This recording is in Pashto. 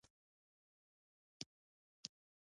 خوا ورته بده شوې ده.